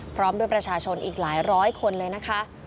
พร้อมด้วยประชาชนอีกหลายร้อยคนเลยนะคะ